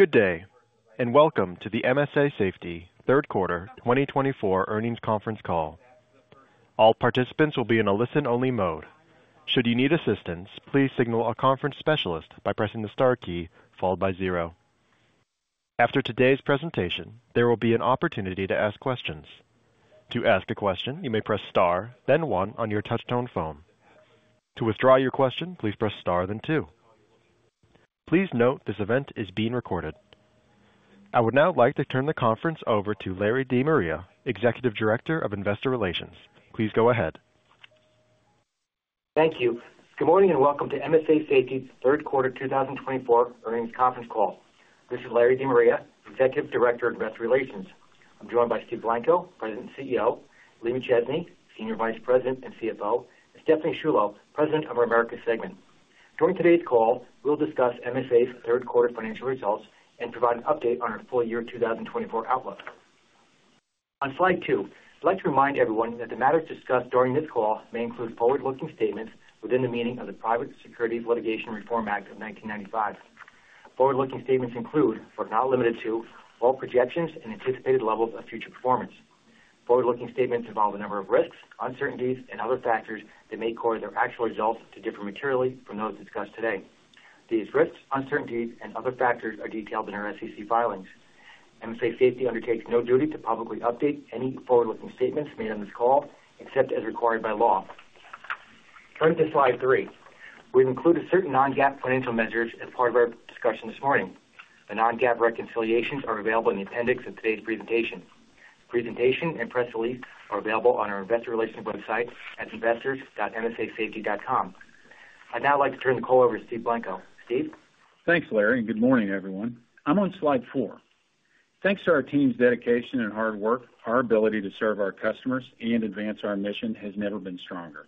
Good day, and welcome to the MSA Safety Third Quarter 2024 Earnings Conference Call. All participants will be in a listen-only mode. Should you need assistance, please signal a conference specialist by pressing the star key followed by zero. After today's presentation, there will be an opportunity to ask questions. To ask a question, you may press star, then one` on your touchtone phone. To withdraw your question, please press star, then two. Please note, this event is being recorded. I would now like to turn the conference over to Larry DeMaria, Executive Director of Investor Relations. Please go ahead. Thank you. Good morning, and welcome to MSA Safety's third quarter two thousand and twenty-four Earnings Conference Call. This is Larry DeMaria, Executive Director of Investor Relations. I'm joined by Steve Blanco, President and CEO, Lee McChesney, Senior Vice President and CFO, and Stephanie Sciullo, President of our Americas segment. During today's call, we'll discuss MSA's third quarter financial results and provide an update on our full year 2024 outlook. On slide two, I'd like to remind everyone that the matters discussed during this call may include forward-looking statements within the meaning of the Private Securities Litigation Reform Act of 1995. Forward-looking statements include, but not limited to, all projections and anticipated levels of future performance. Forward-looking statements involve a number of risks, uncertainties, and other factors that may cause their actual results to differ materially from those discussed today. These risks, uncertainties, and other factors are detailed in our SEC filings. MSA Safety undertakes no duty to publicly update any forward-looking statements made on this call, except as required by law. Turning to slide three. We've included certain non-GAAP financial measures as part of our discussion this morning. The non-GAAP reconciliations are available in the appendix of today's presentation. Presentation and press release are available on our investor relations website at investors.msasafety.com. I'd now like to turn the call over to Steve Blanco. Steve? Thanks, Larry, and good morning, everyone. I'm on slide four. Thanks to our team's dedication and hard work, our ability to serve our customers and advance our mission has never been stronger.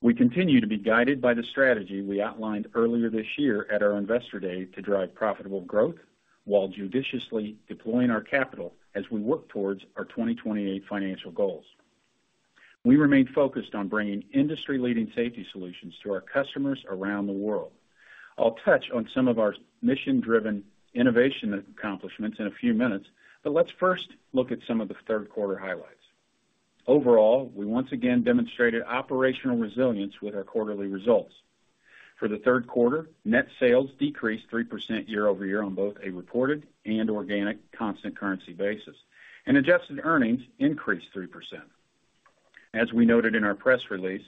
We continue to be guided by the strategy we outlined earlier this year at our Investor Day to drive profitable growth while judiciously deploying our capital as we work towards our 2028 financial goals. We remain focused on bringing industry-leading safety solutions to our customers around the world. I'll touch on some of our mission-driven innovation accomplishments in a few minutes, but let's first look at some of the third quarter highlights. Overall, we once again demonstrated operational resilience with our quarterly results. For the third quarter, net sales decreased 3% year over year on both a reported and organic constant currency basis, and adjusted earnings increased 3%. As we noted in our press release,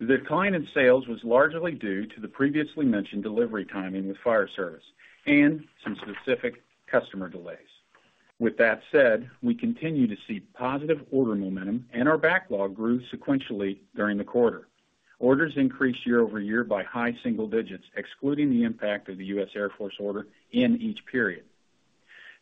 the decline in sales was largely due to the previously mentioned delivery timing with fire service and some specific customer delays. With that said, we continue to see positive order momentum, and our backlog grew sequentially during the quarter. Orders increased year over year by high single digits, excluding the impact of the U.S. Air Force order in each period.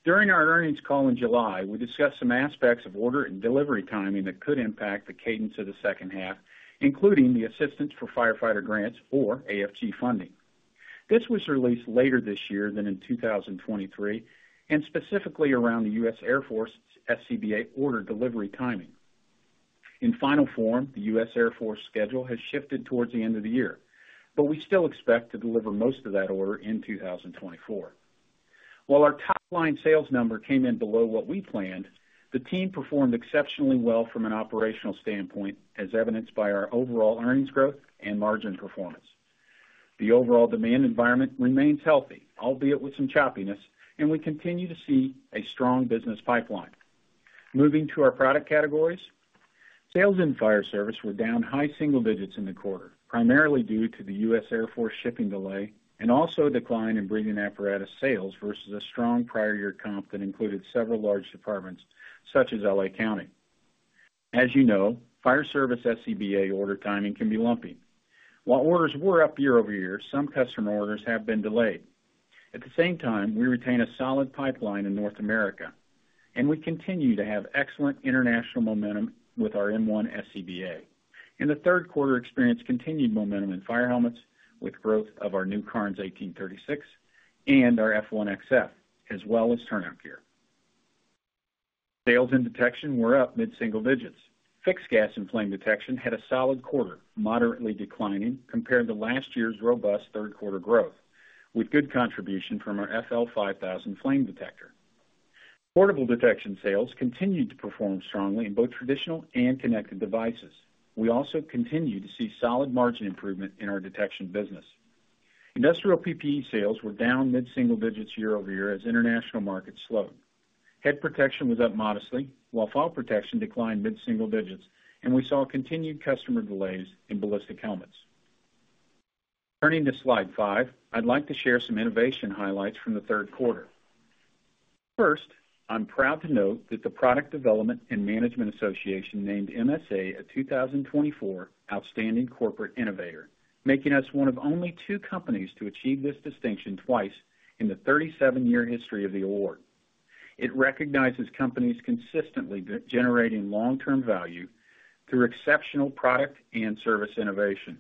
During our earnings call in July, we discussed some aspects of order and delivery timing that could impact the cadence of the second half, including the Assistance to Firefighters Grants, or AFG funding. This was released later this year than in 2023, and specifically around the U.S. Air Force SCBA order delivery timing. In final form, the U.S. Air Force schedule has shifted towards the end of the year, but we still expect to deliver most of that order in 2024. While our top-line sales number came in below what we planned, the team performed exceptionally well from an operational standpoint, as evidenced by our overall earnings growth and margin performance. The overall demand environment remains healthy, albeit with some choppiness, and we continue to see a strong business pipeline. Moving to our product categories. Sales in fire service were down high single digits in the quarter, primarily due to the U.S. Air Force shipping delay and also a decline in breathing apparatus sales versus a strong prior year comp that included several large departments, such as LA County. As you know, fire service SCBA order timing can be lumpy. While orders were up year over year, some customer orders have been delayed. At the same time, we retain a solid pipeline in North America, and we continue to have excellent international momentum with our M1 SCBA. In the third quarter, experienced continued momentum in fire helmets with growth of our new Cairns 1836 and our F1XF, as well as turnout gear. Sales in detection were up mid-single digits. Fixed gas and flame detection had a solid quarter, moderately declining compared to last year's robust third quarter growth, with good contribution from our FL5000 flame detector. Portable detection sales continued to perform strongly in both traditional and connected devices. We also continue to see solid margin improvement in our detection business. Industrial PPE sales were down mid-single digits year- over- year as international markets slowed. Head protection was up modestly, while fall protection declined mid-single digits, and we saw continued customer delays in ballistic helmets. Turning to slide five, I'd like to share some innovation highlights from the third quarter. First, I'm proud to note that the Product Development and Management Association named MSA a 2024 Outstanding Corporate Innovator, making us one of only two companies to achieve this distinction twice in the thirty-seven-year history of the award. It recognizes companies consistently generating long-term value through exceptional product and service innovation.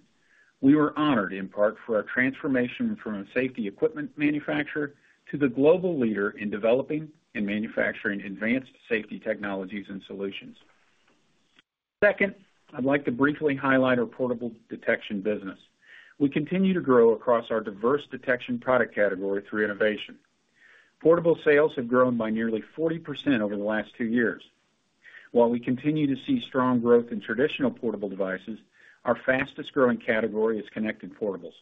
We were honored in part for our transformation from a safety equipment manufacturer to the global leader in developing and manufacturing advanced safety technologies and solutions. Second, I'd like to briefly highlight our portable detection business. We continue to grow across our diverse detection product category through innovation. Portable sales have grown by nearly 40% over the last two years. While we continue to see strong growth in traditional portable devices, our fastest growing category is connected portables,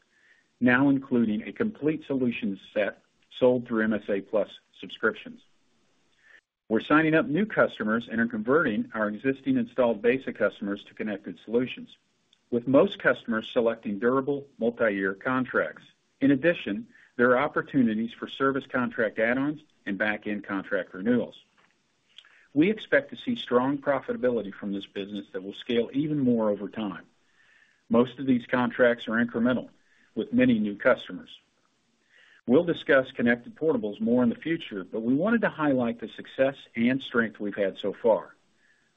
now including a complete solution set sold through MSA+ subscriptions. We're signing up new customers and are converting our existing installed base of customers to connected solutions, with most customers selecting durable multi-year contracts. In addition, there are opportunities for service contract add-ons and back-end contract renewals. We expect to see strong profitability from this business that will scale even more over time. Most of these contracts are incremental, with many new customers. We'll discuss connected portables more in the future, but we wanted to highlight the success and strength we've had so far.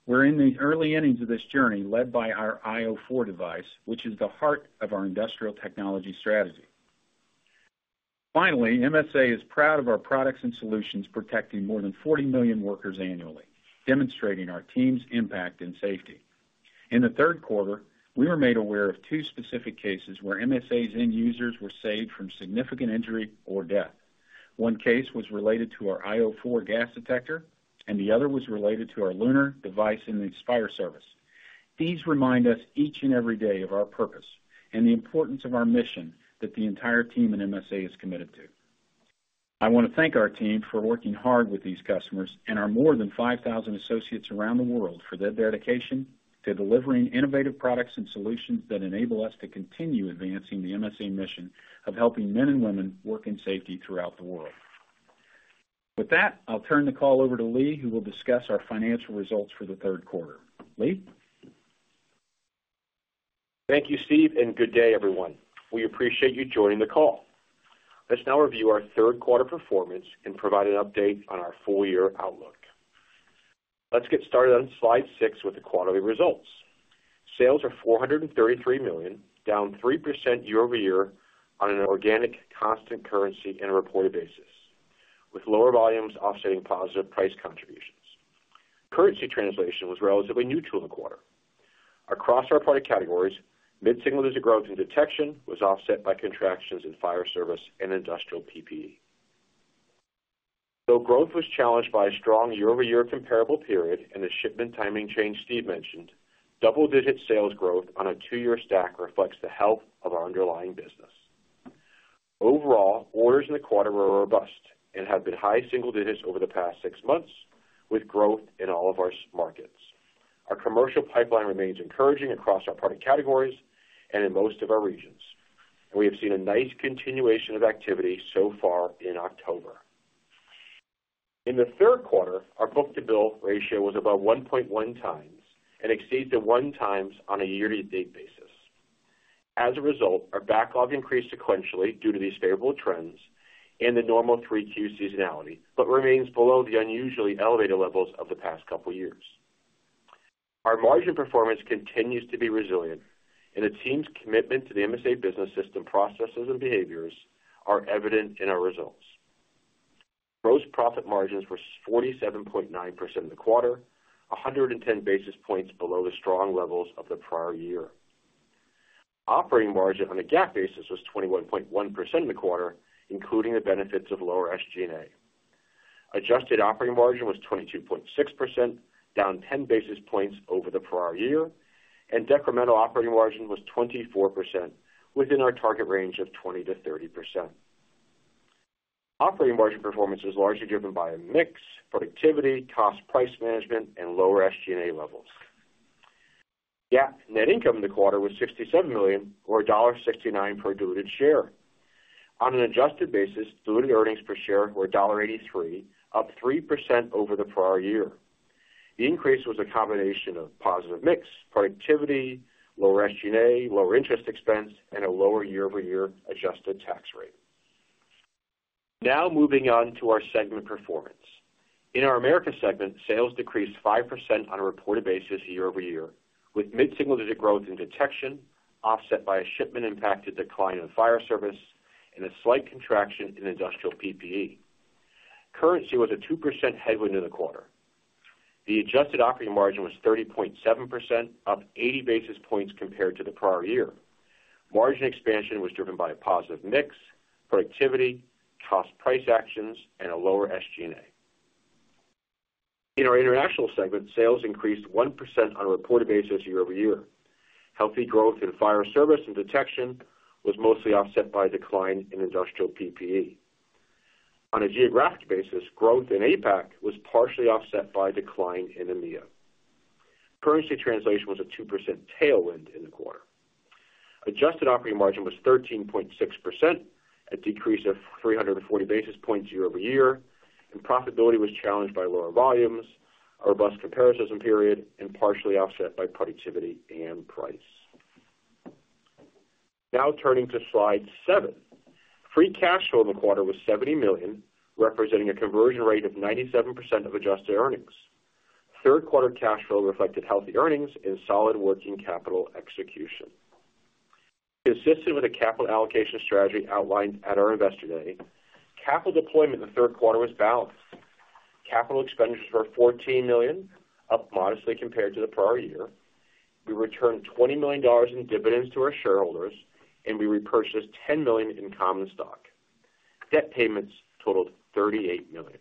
We're in the early innings of this journey, led by our io4 device, which is the heart of our industrial technology strategy. Finally, MSA is proud of our products and solutions, protecting more than forty million workers annually, demonstrating our team's impact in safety. In the third quarter, we were made aware of two specific cases where MSA's end users were saved from significant injury or death. One case was related to our io4 gas detector, and the other was related to our Lunar device and the fire service. These remind us each and every day of our purpose and the importance of our mission that the entire team at MSA is committed to. I want to thank our team for working hard with these customers and our more than 5,000 associates around the world for their dedication to delivering innovative products and solutions that enable us to continue advancing the MSA mission of helping men and women work in safety throughout the world. With that, I'll turn the call over to Lee, who will discuss our financial results for the third quarter. Lee? Thank you, Steve, and good day, everyone. We appreciate you joining the call. Let's now review our third quarter performance and provide an update on our full-year outlook. Let's get started on slide six with the quarterly results. Sales are $433 million, down 3% year-over-year on an organic constant currency and a reported basis, with lower volumes offsetting positive price contributions. Currency translation was relatively neutral in the quarter. Across our product categories, mid-single-digit growth in detection was offset by contractions in fire service and industrial PPE. Though growth was challenged by a strong year-over-year comparable period and the shipment timing change Steve mentioned, double-digit sales growth on a two-year stack reflects the health of our underlying business. Overall, orders in the quarter were robust and have been high single digits over the past six months, with growth in all of our markets. Our commercial pipeline remains encouraging across our product categories and in most of our regions, and we have seen a nice continuation of activity so far in October. In the third quarter, our book-to-bill ratio was above 1.1 times and exceeds the one times on a year-to-date basis. As a result, our backlog increased sequentially due to these favorable trends and the normal 3Q seasonality, but remains below the unusually elevated levels of the past couple of years. Our margin performance continues to be resilient, and the team's commitment to the MSA Business System, processes and behaviors are evident in our results. Gross profit margins were 47.9% in the quarter, 110 basis points below the strong levels of the prior year. Operating margin on a GAAP basis was 21.1% in the quarter, including the benefits of lower SG&A. Adjusted operating margin was 22.6%, down 10 basis points over the prior year, and incremental operating margin was 24%, within our target range of 20%-30%. Operating margin performance was largely driven by a mix, productivity, cost, price management and lower SG&A levels. GAAP net income in the quarter was $67 million, or $1.69 per diluted share. On an adjusted basis, diluted earnings per share were $1.83, up 3% over the prior year. The increase was a combination of positive mix, productivity, lower SG&A, lower interest expense, and a lower year-over-year adjusted tax rate. Now moving on to our segment performance. In our Americas segment, sales decreased 5% on a reported basis year over year, with mid-single-digit growth in detection, offset by a shipment-impacted decline in fire service and a slight contraction in industrial PPE. Currency was a 2% headwind in the quarter. The adjusted operating margin was 30.7%, up 80 basis points compared to the prior year. Margin expansion was driven by a positive mix, productivity, cost, price actions, and a lower SG&A. In our international segment, sales increased 1% on a reported basis year over year. Healthy growth in fire service and detection was mostly offset by a decline in industrial PPE. On a geographic basis, growth in APAC was partially offset by a decline in EMEA. Currency translation was a 2% tailwind in the quarter. Adjusted operating margin was 13.6%, a decrease of 340 basis points year over year, and profitability was challenged by lower volumes, a robust comparison period, and partially offset by productivity and price. Now turning to slide 7. Free cash flow in the quarter was $70 million, representing a conversion rate of 97% of adjusted earnings. Third quarter cash flow reflected healthy earnings and solid working capital execution. Consistent with the capital allocation strategy outlined at our Investor Day, capital deployment in the third quarter was balanced. Capital expenditures were $14 million, up modestly compared to the prior year. We returned $20 million in dividends to our shareholders, and we repurchased $10 million in common stock. Debt payments totaled $38 million.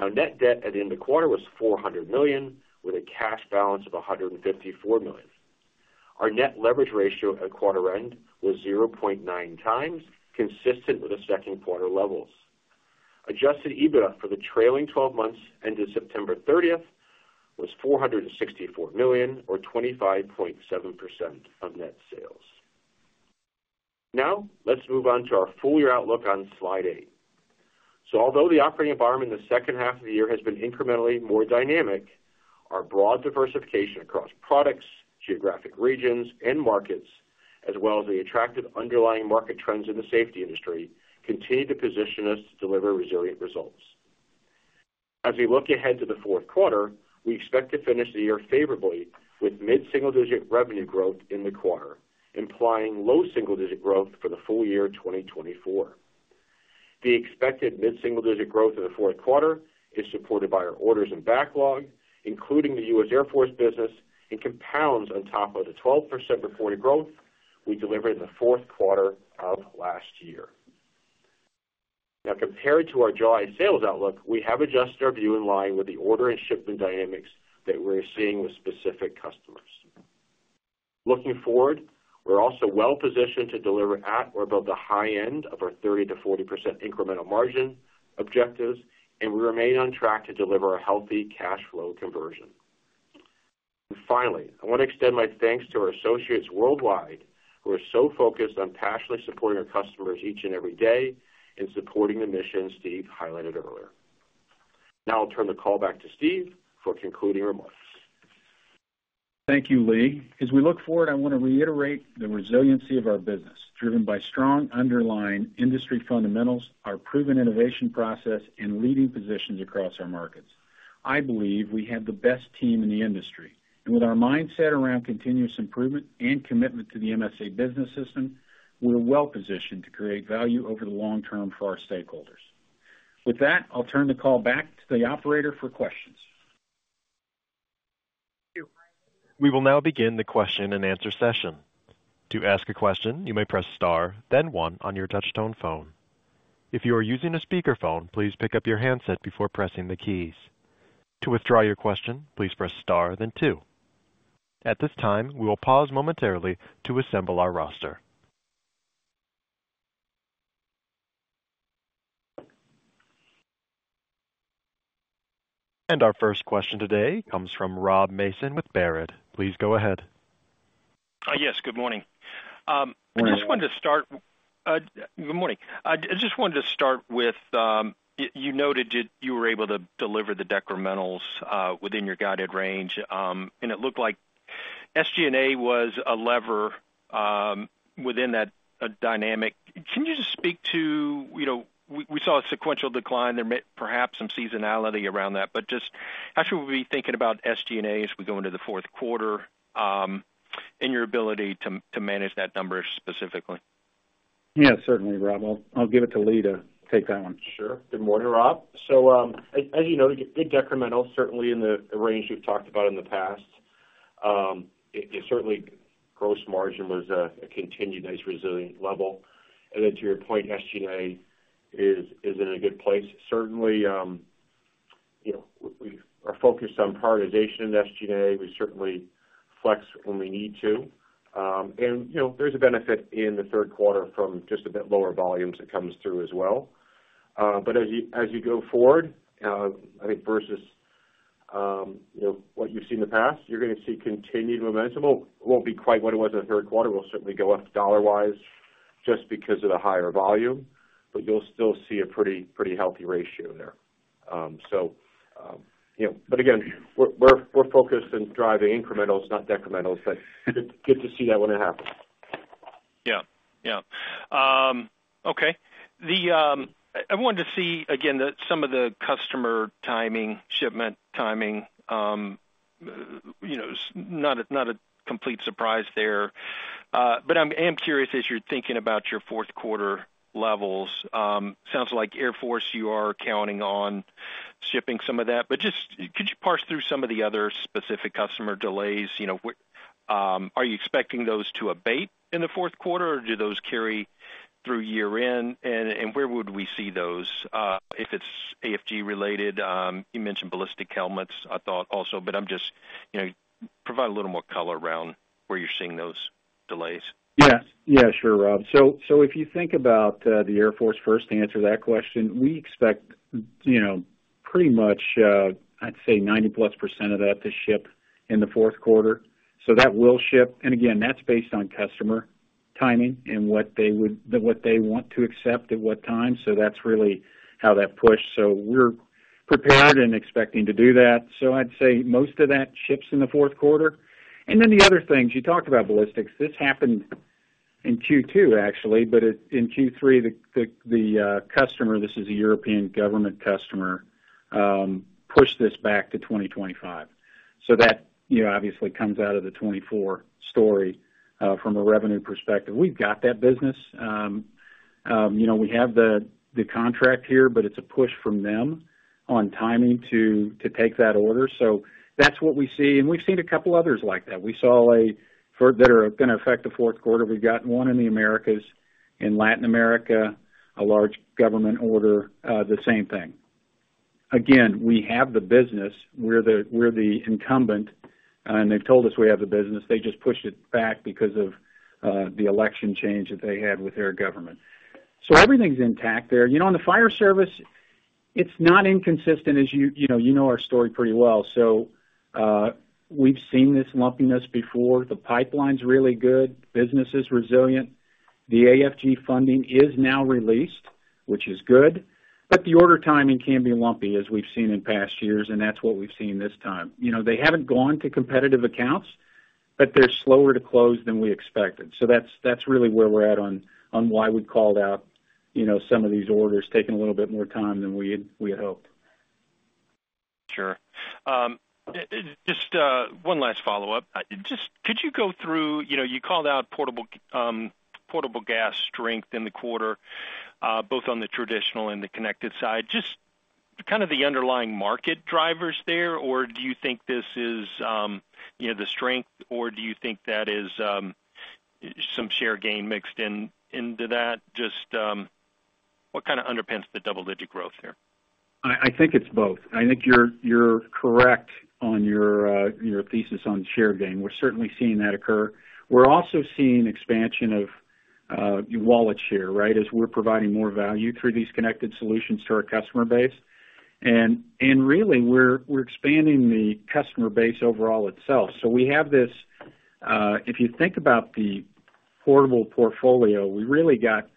Our net debt at the end of the quarter was $400 million, with a cash balance of $154 million. Our net leverage ratio at quarter end was 0.9 times, consistent with the second quarter levels. Adjusted EBITDA for the trailing 12 months, ended September 30th, was $464 million, or 25.7% of net sales. Now, let's move on to our full year outlook on slide 8. So although the operating environment in the second half of the year has been incrementally more dynamic, our broad diversification across products, geographic regions, and markets, as well as the attractive underlying market trends in the safety industry, continue to position us to deliver resilient results. As we look ahead to the fourth quarter, we expect to finish the year favorably with mid-single digit revenue growth in the quarter, implying low single digit growth for the full year, 2024. The expected mid-single digit growth in the fourth quarter is supported by our orders and backlog, including the U.S. Air Force business, and compounds on top of the 12% reported growth we delivered in the fourth quarter of last year. Now, compared to our July sales outlook, we have adjusted our view in line with the order and shipment dynamics that we're seeing with specific customers. Looking forward, we're also well positioned to deliver at or above the high end of our 30% to 40% incremental margin objectives, and we remain on track to deliver a healthy cash flow conversion. And finally, I want to extend my thanks to our associates worldwide, who are so focused on passionately supporting our customers each and every day and supporting the mission Steve highlighted earlier. Now I'll turn the call back to Steve for concluding remarks. Thank you, Lee. As we look forward, I want to reiterate the resiliency of our business, driven by strong underlying industry fundamentals, our proven innovation process, and leading positions across our markets. I believe we have the best team in the industry, and with our mindset around continuous improvement and commitment to the MSA Business System, we're well positioned to create value over the long term for our stakeholders. With that, I'll turn the call back to the operator for questions. We will now begin the question-and-answer session. To ask a question, you may press Star, then one on your touchtone phone. If you are using a speakerphone, please pick up your handset before pressing the keys. To withdraw your question, please press star, then two. At this time, we will pause momentarily to assemble our roster. Our first question today comes from Rob Mason with Baird. Please go ahead. Yes, good morning. I just wanted to start with, you noted that you were able to deliver the decrementals within your guided range, and it looked like SG&A was a lever within that dynamic. Can you just speak to, you know, we saw a sequential decline there, may perhaps some seasonality around that, but just how should we be thinking about SG&A as we go into the fourth quarter, and your ability to manage that number specifically? Yeah, certainly, Rob. I'll give it to Lee to take that one. Sure. Good morning, Rob. So, as you know, good decremental, certainly in the range we've talked about in the past. It certainly, gross margin was a continued nice, resilient level. And then to your point, SG&A is in a good place. Certainly, you know, we are focused on prioritization in SG&A. We certainly flex when we need to. And, you know, there's a benefit in the third quarter from just a bit lower volumes that comes through as well. But as you go forward, I think versus, you know, what you've seen in the past, you're gonna see continued momentum. It won't be quite what it was in the third quarter. We'll certainly go up dollar-wise just because of the higher volume, but you'll still see a pretty healthy ratio there. So, you know, but again, we're focused on driving incrementals, not decrementals, but good to see that when it happens. Yeah. Yeah. Okay. I wanted to see again some of the customer timing, shipment timing, you know, not a complete surprise there. But I am curious, as you're thinking about your fourth quarter levels, sounds like Air Force, you are counting on shipping some of that, but just could you parse through some of the other specific customer delays? You know, what are you expecting those to abate in the fourth quarter, or do those carry through year end, and where would we see those? If it's AFG related, you mentioned ballistic helmets, I thought also, but I'm just, you know, provide a little more color around where you're seeing those delays. Yeah. Yeah, sure, Rob. So if you think about the Air Force first, to answer that question, we expect, you know, pretty much, I'd say 90 plus percent of that to ship in the fourth quarter. So that will ship. And again, that's based on customer timing and what they want to accept at what time. So that's really how that pushed. So we're prepared and expecting to do that. So I'd say most of that ships in the fourth quarter. And then the other things, you talked about ballistics. This happened in Q2, actually, but it in Q3, the customer, this is a European government customer, pushed this back to twenty twenty-five. So that, you know, obviously comes out of the 2024 story from a revenue perspective. We've got that business. You know, we have the contract here, but it's a push from them on timing to take that order. So that's what we see, and we've seen a couple others like that. We saw that are gonna affect the fourth quarter. We've got one in the Americas, in Latin America, a large government order, the same thing. Again, we have the business. We're the incumbent, and they've told us we have the business. They just pushed it back because of the election change that they had with their government. So everything's intact there. You know, on the fire service, it's not inconsistent, as you know, you know our story pretty well. So we've seen this lumpiness before. The pipeline's really good, business is resilient. The AFG funding is now released, which is good, but the order timing can be lumpy, as we've seen in past years, and that's what we've seen this time. You know, they haven't gone to competitive accounts, but they're slower to close than we expected. So that's really where we're at on why we called out, you know, some of these orders taking a little bit more time than we had hoped. Sure. Just one last follow-up. Just could you go through... You know, you called out portable gas strength in the quarter, both on the traditional and the connected side. Just kind of the underlying market drivers there, or do you think this is, you know, the strength, or do you think that is some share gain mixed in into that? Just what kind of underpins the double-digit growth there? I think it's both. I think you're correct on your thesis on share gain. We're certainly seeing that occur. We're also seeing expansion of wallet share, right? As we're providing more value through these connected solutions to our customer base. And really, we're expanding the customer base overall itself. So we have this, if you think about the portable portfolio, we really got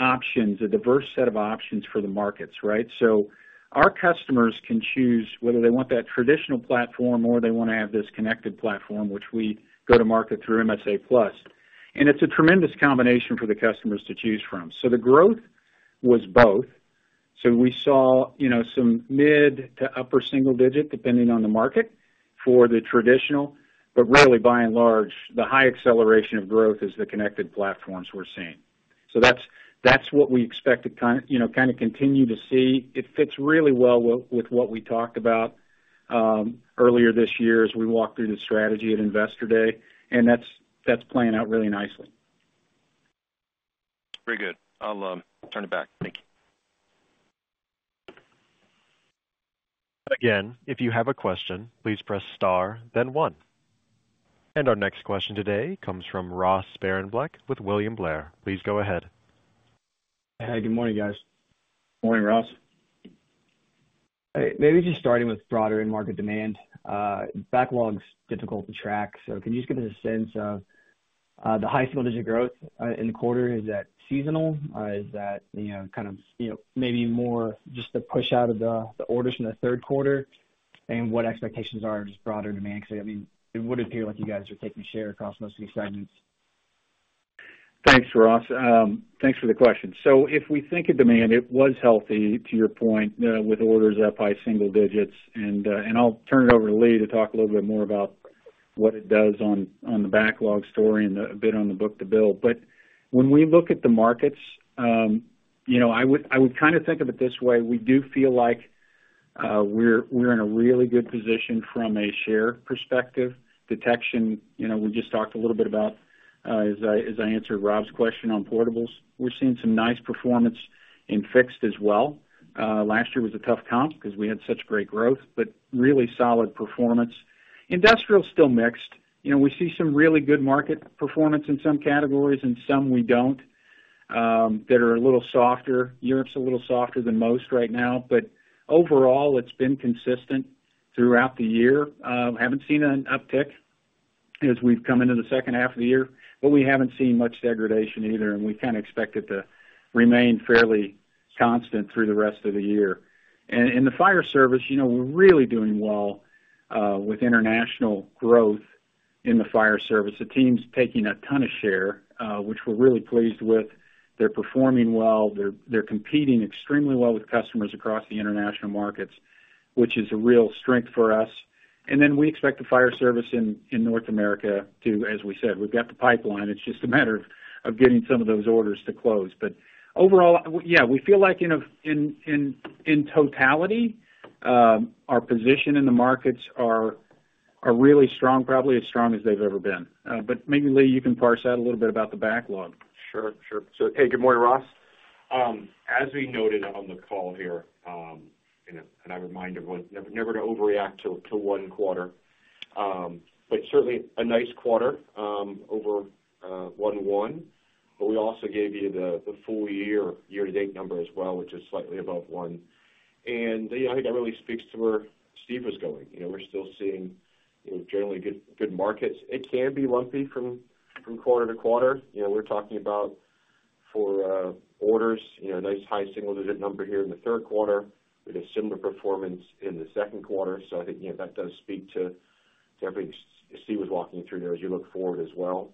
options, a diverse set of options for the markets, right? So our customers can choose whether they want that traditional platform or they wanna have this connected platform, which we go to market through MSA+. And it's a tremendous combination for the customers to choose from. So the growth was both. So we saw, you know, some mid- to upper-single-digit, depending on the market, for the traditional, but really, by and large, the high acceleration of growth is the connected platforms we're seeing. So th at's, that's what we expect to kind, you know, kind of continue to see. It fits really well with, with what we talked about earlier this year as we walked through the strategy at Investor Day, and that's, that's playing out really nicely. Very good. I'll turn it back. Thank you. Again, if you have a question, please press star, then one. And our next question today comes from Ross Sparenbleck with William Blair. Please go ahead. Hey, good morning, guys. Morning, Ross. Maybe just starting with broader end market demand, backlog's difficult to track, so can you just give us a sense of the high single-digit growth in the quarter? Is that seasonal, or is that, you know, kind of, you know, maybe more just the push out of the orders from the third quarter? And what expectations are just broader demand, because, I mean, it would appear like you guys are taking share across most of the segments. Thanks, Ross. Thanks for the question. So if we think of demand, it was healthy, to your point, with orders up by single digits, and I'll turn it over to Lee to talk a little bit more about what it does on the backlog story and a bit on the book-to-bill. But when we look at the markets, you know, I would kind of think of it this way: We do feel like we're in a really good position from a share perspective. Detection, you know, we just talked a little bit about, as I answered Rob's question on portables. We're seeing some nice performance in fixed as well. Last year was a tough comp because we had such great growth, but really solid performance. Industrial's still mixed. You know, we see some really good market performance in some categories, and some we don't, that are a little softer. Europe's a little softer than most right now, but overall, it's been consistent throughout the year. Haven't seen an uptick as we've come into the second half of the year, but we haven't seen much degradation either, and we kind of expect it to remain fairly constant through the rest of the year. And in the fire service, you know, we're really doing well, with international growth in the fire service. The team's taking a ton of share, which we're really pleased with. They're performing well. They're competing extremely well with customers across the international markets, which is a real strength for us. And then we expect the fire service in North America to... As we said, we've got the pipeline. It's just a matter of getting some of those orders to close. But overall, yeah, we feel like in totality, our position in the markets are really strong, probably as strong as they've ever been. But maybe, Lee, you can parse out a little bit about the backlog. Sure, sure. Hey, good morning, Ross. As we noted on the call here, you know, and I remind everyone never to overreact to one quarter. But certainly, a nice quarter over one one, but we also gave you the full year, year-to-date number as well, which is slightly above one. You know, I think that really speaks to where Steve was going. You know, we're still seeing, you know, generally good markets. It can be lumpy from quarter to quarter. You know, we're talking about orders, you know, nice high single-digit number here in the third quarter with a similar performance in the second quarter. I think, you know, that does speak to everything Steve was walking through there as you look forward as well.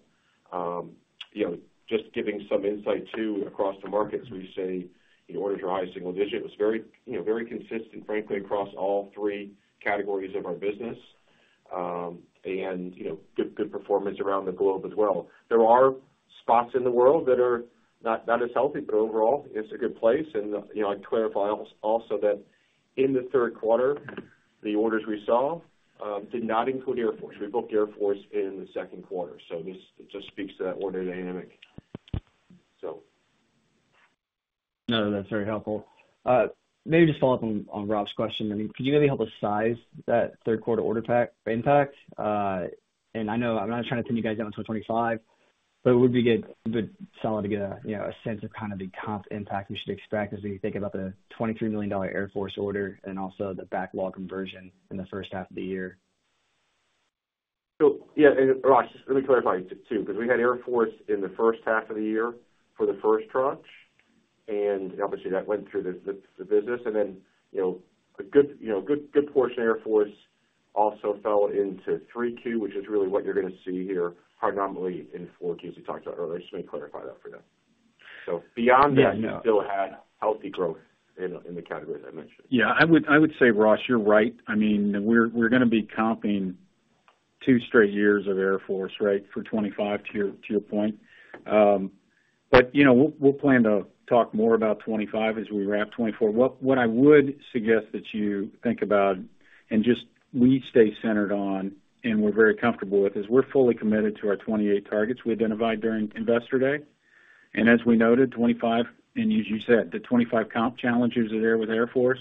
You know, just giving some insight, too, across the markets, we say, you know, orders are high single digit. It was very, you know, very consistent, frankly, across all three categories of our business. You know, good performance around the globe as well. There are spots in the world that are not as healthy, but overall, it's a good place. You know, I'd clarify also that in the third quarter, the orders we saw did not include Air Force. We booked Air Force in the second quarter, so this just speaks to that order dynamic. So. No, that's very helpful. Maybe just follow up on Rob's question. I mean, could you maybe help us size that third quarter order pack impact? And I know I'm not trying to pin you guys down until 2025, but it would be good solid to get a, you know, a sense of kind of the comp impact we should expect as we think about the $23 million Air Force order and also the backlog conversion in the first half of the year. So, yeah, and Ross, just let me clarify, too, because we had Air Force in the first half of the year for the first tranche, and obviously, that went through the business. And then, you know, a good, you know, good portion of Air Force also fell into 3Q, which is really what you're gonna see here, phenomenally in 4Qs we talked about earlier. Just let me clarify that for you. So beyond that, you still had healthy growth in the categories I mentioned. Yeah, I would, I would say, Ross, you're right. I mean, we're, we're gonna be comping two straight years of Air Force, right, for 2025, to your, to your point. But, you know, we'll, we'll plan to talk more about 2025 as we wrap 2024. What, what I would suggest that you think about and just we stay centered on and we're very comfortable with, is we're fully committed to our 2028 targets we identified during Investor Day. And as we noted, 2025, and as you said, the 2025 comp challenges are there with Air Force,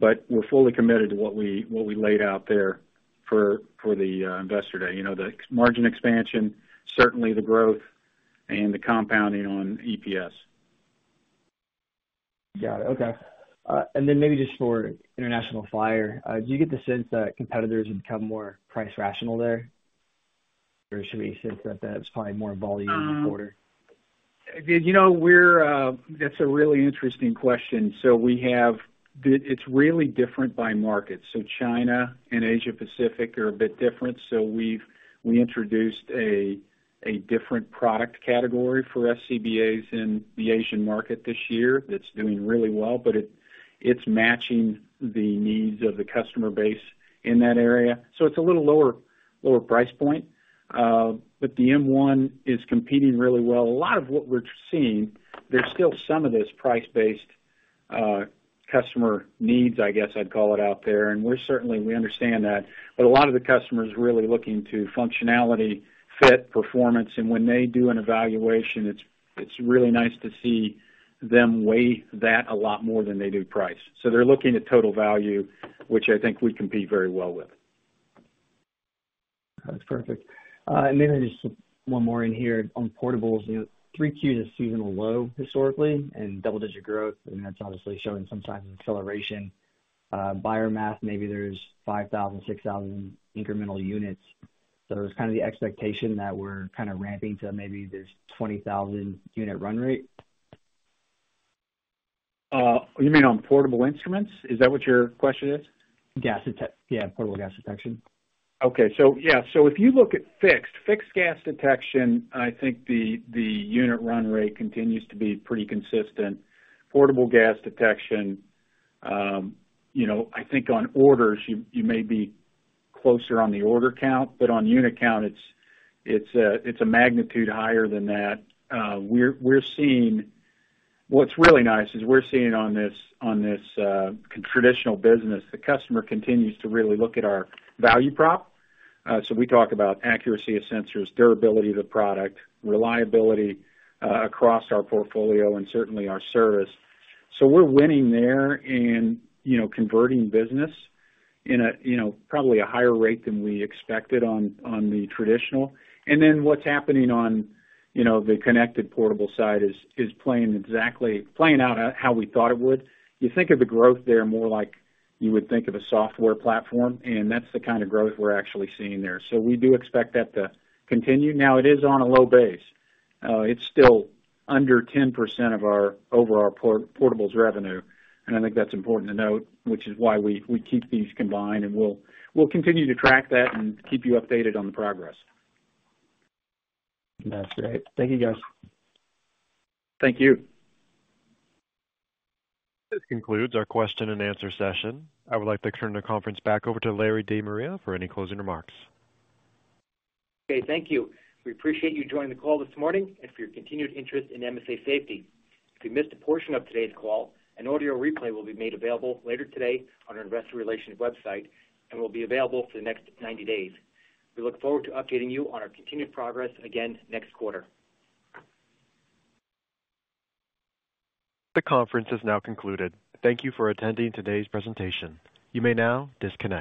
but we're fully committed to what we, what we laid out there for, for the, Investor Day. You know, the margin expansion, certainly the growth and the compounding on EPS. Got it. Okay. And then maybe just for International Fire, do you get the sense that competitors have become more price rational there? Or should we say that that's probably more volume quarter? You know, we're... That's a really interesting question. It's really different by market. China and Asia Pacific are a bit different. We've introduced a different product category for SCBAs in the Asian market this year. That's doing really well, but it's matching the needs of the customer base in that area, so it's a little lower price point. But the M1 is competing really well. A lot of what we're seeing, there's still some of this price-based customer needs, I guess I'd call it out there, and we're certainly understand that. But a lot of the customers are really looking to functionality, fit, performance, and when they do an evaluation, it's really nice to see them weigh that a lot more than they do price. So they're looking at total value, which I think we compete very well with. That's perfect. And then just one more in here on portables. You know, 3Q is a seasonal low historically and double-digit growth, and that's obviously showing some signs of acceleration. By our math, maybe there's 5,000, 6,000 incremental units. So there's kind of the expectation that we're kind of ramping to maybe this twenty thousand unit run rate. You mean on portable instruments? Is that what your question is? Yeah, portable gas detection. Okay. So yeah, so if you look at fixed gas detection, I think the unit run rate continues to be pretty consistent. Portable gas detection, you know, I think on orders, you may be closer on the order count, but on unit count, it's a magnitude higher than that. We're seeing... What's really nice is we're seeing on this traditional business, the customer continues to really look at our value prop. So we talk about accuracy of sensors, durability of the product, reliability across our portfolio, and certainly our service. So we're winning there in, you know, converting business in a, you know, probably a higher rate than we expected on the traditional. And then what's happening on, you know, the connected portable side is playing out how we thought it would. You think of the growth there more like you would think of a software platform, and that's the kind of growth we're actually seeing there. So we do expect that to continue. Now, it is on a low base. It's still under 10% of our overall portables revenue, and I think that's important to note, which is why we keep these combined, and we'll continue to track that and keep you updated on the progress. That's great. Thank you, guys. Thank you. This concludes our question-and-answer session. I would like to turn the conference back over to Larry De Maria for any closing remarks. Okay, thank you. We appreciate you joining the call this morning and for your continued interest in MSA Safety. If you missed a portion of today's call, an audio replay will be made available later today on our investor relations website and will be available for the next ninety days. We look forward to updating you on our continued progress again next quarter. The conference is now concluded. Thank you for attending today's presentation. You may now disconnect.